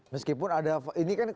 meskipun ada hal hal yang tidak terjadi